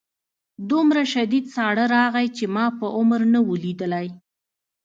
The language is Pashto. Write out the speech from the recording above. دومره شدید ساړه راغی چې ما په عمر نه و لیدلی